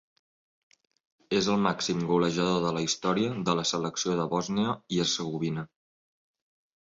És el màxim golejador de la història de la selecció de Bòsnia i Hercegovina.